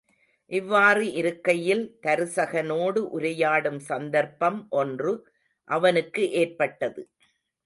இவ்வாறு இருக்கையில் தருசகனோடு உரையாடும் சந்தர்ப்பம் ஒன்று அவனுக்கு ஏற்பட்டது.